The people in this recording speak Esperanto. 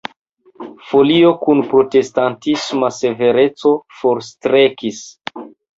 Folio kun protestantisma severeco forstrekis.